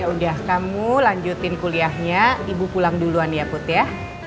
udah kamu lanjutin kuliahnya ibu pulang duluan ya put ya